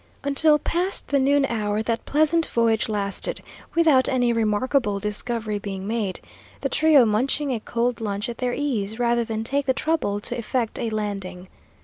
Until past the noon hour that pleasant voyage lasted, without any remarkable discovery being made, the trio munching a cold lunch at their ease, rather than take the trouble to effect a landing.